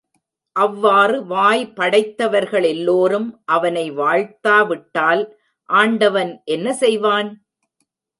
அவ்வாறு வாய் படைத்தவர்கள் எல்லோரும் அவனை வாழ்த்தாவிட்டால் ஆண்டவன் என்ன செய்வான்?